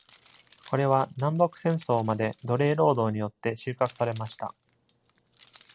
これは南北戦争まで奴隷労働によって収穫されました。